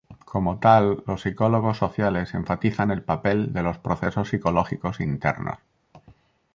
Como tal, los psicólogos sociales enfatizan el papel de los procesos psicológicos internos.